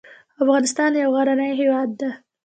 افغانستان یو غرنې هیواد ده